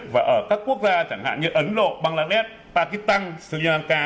và ở các quốc gia chẳng hạn như ấn độ bangladesh pakistan sri lanka